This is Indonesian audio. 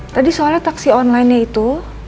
tadi soalnya taksi online nya itu